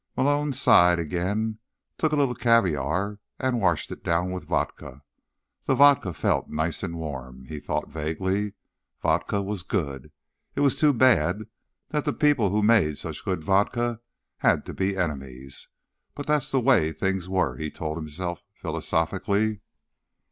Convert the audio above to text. Malone sighed again, took a little caviar and washed it down with vodka. The vodka felt nice and warm, he thought vaguely. Vodka was good. It was too bad that the people who made such good vodka had to be enemies. But that was the way things were, he told himself philosophically.